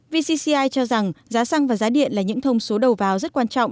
vcci cho rằng giá xăng và giá điện là những thông số đầu vào rất quan trọng